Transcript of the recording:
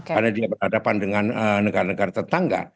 karena dia berhadapan dengan negara negara tetangga